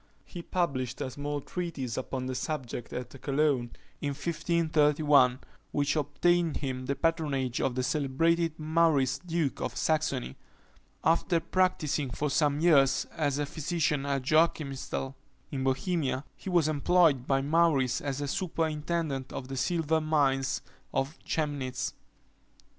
He published a small treatise upon the subject at Cologne, in 1531, which obtained him the patronage of the celebrated Maurice duke of Saxony. After practising for some years as a physician at Joachimsthal, in Bohemia, he was employed by Maurice as superintendent of the silver mines of Chemnitz.